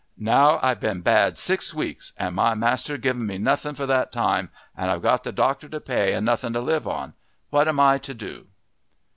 Now I've been bad six weeks, and my master giv' me nothing for that time, and I've got the doctor to pay and nothing to live on. What am I to do?"